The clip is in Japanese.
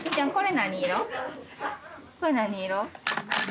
これ何色？